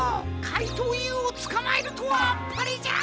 かいとうＵをつかまえるとはあっぱれじゃ！